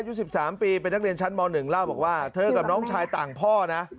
ยูสิบสามปีเป็นนักเรียนชั้นมหนึ่งเล่าบอกว่าเธอกับน้องชายต่างพ่อนะ